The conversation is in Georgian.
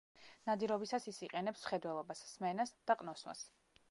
ნადირობისას ის იყენებს მხედველობას, სმენას და ყნოსვას.